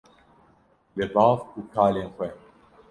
li bav û kalên xwe